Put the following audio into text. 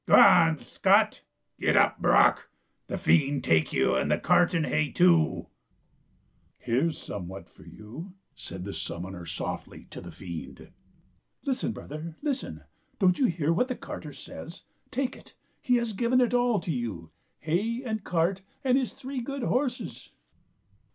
" Go on, Scot ! Get up, Brok ! The fiend take you, and the cart and hay, too !" 132 t^t ^xxax'B ZckU " Here 's somewhat for you," said the summoner softly to the fiend. " Listen, brother, listen ! Don't you hear what the carter says ? Take it ; he has given it all to you, hay and cart and his three good horses.'